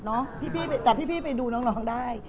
พี่แต่พี่ไปดูน้องได้